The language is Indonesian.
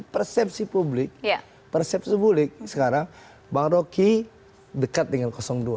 persepsi publik sekarang bang roky dekat dengan dua